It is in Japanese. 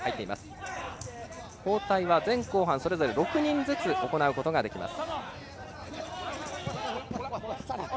交代は前後半それぞれ６人ずつ行うことができます。